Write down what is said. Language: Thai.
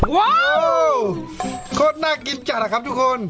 ว้าวโอ้โหโคตรน่ากินจัดหรอครับทุกคน